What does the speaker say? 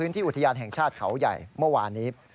ที่อุทยานแห่งชาติเขาใหญ่เมื่อวานนี้